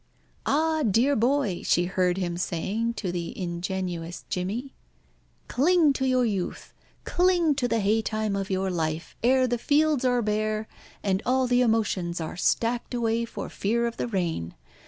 "Ah! dear boy," she heard him saying to the ingenuous Jimmy, "cling to your youth! Cling to the haytime of your life, ere the fields are bare, and all the emotions are stacked away for fear of the rain.